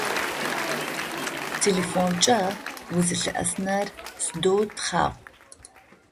Телефонкӏэ узэлъыӏэсыныр сыдэу тхъагъо.